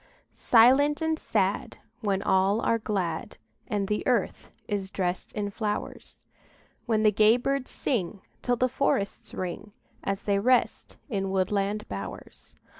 Silent and sad, When all are glad, And the earth is dressed in flowers; When the gay birds sing Till the forests ring, As they rest in woodland bowers.